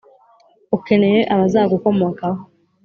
ukeneye abazagukomokaho